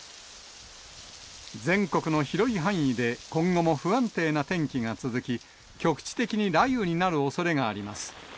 全国の広い範囲で、今後も不安定な天気が続き、局地的に雷雨になるおそれがあります。